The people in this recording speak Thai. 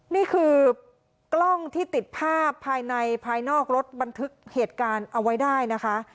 นี่คือกล้องที่ติดภาพภายในภายนอกรถบันทึกเหตุการณ์เอาไว้ได้นะคะ